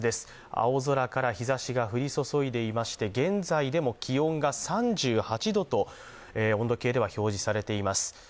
青空から日ざしが降り注いでいまして現在でも気温が３８度と温度計では表示されています。